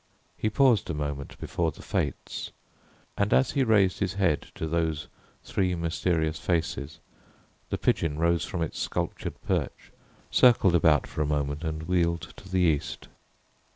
He paused a moment before the "Fates," and as he raised his head to those three mysterious faces, the pigeon rose from its sculptured perch, circled about for a moment and wheeled to the east.